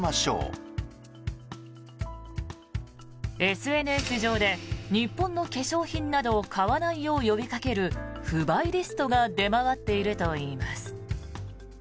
ＳＮＳ上で日本の化粧品などを買わないよう呼びかける不買リストが出回っているといいます。